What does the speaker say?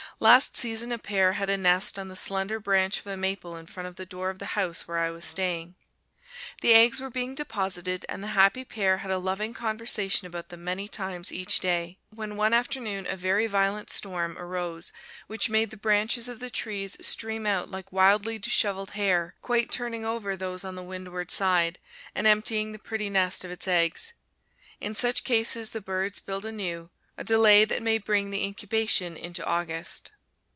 Last season a pair had a nest on the slender branch of a maple in front of the door of the house where I was staying. The eggs were being deposited, and the happy pair had a loving conversation about them many times each day, when one afternoon a very violent storm arose which made the branches of the trees stream out like wildly disheveled hair, quite turning over those on the windward side, and emptying the pretty nest of its eggs. In such cases the birds build anew, a delay that may bring the incubation into August.